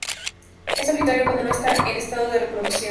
Es solitario cuando no están en estado de reproducción.